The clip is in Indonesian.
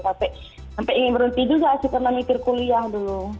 capek capek ingin berhenti dulu saya masih pernah mikir kuliah dulu